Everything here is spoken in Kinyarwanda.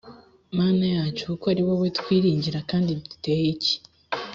mana yacu kuko ari wowe twiringira kandi duteye iki